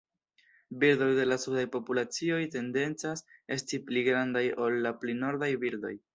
Birdoj de la sudaj populacioj tendencas esti pli grandaj ol la pli nordaj birdoj.